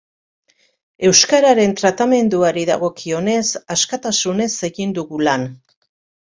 Euskararen tratamenduari dagokionez, askatasunez egin dugu lan.